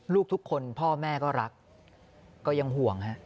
ลูกทุกคนพ่อแม่ก็รักก็ยังห่วงฮะ